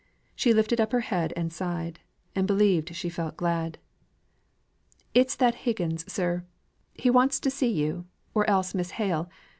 She lifted up her head and sighed, and believed she felt glad. "It's that Higgins, sir. He wants to see you, or else Miss Hale.